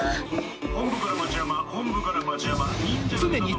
本部から町山本部から町山。